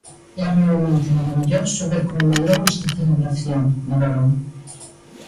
"É realmente marabilloso ver como medrou esta celebración" valorou.